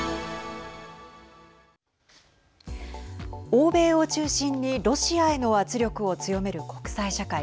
欧米を中心にロシアへの圧力を強める国際社会。